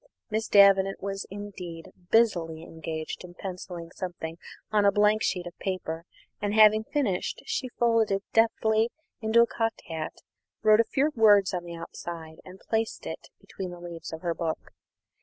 Miss Davenant was indeed busily engaged in pencilling something on a blank sheet of paper; and, having finished, she folded it deftly into a cocked hat, wrote a few words on the outside, and placed it between the leaves of her book.